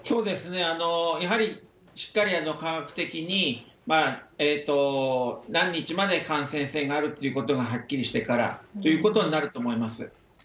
やはりしっかり科学的に、何日まで感染性があるってことがはっきりしてからということになると思います。